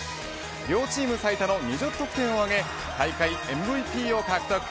両チーム最多の２０得点を挙げ大会ＭＶＰを獲得。